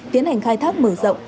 tiến hành khai thác mở rộng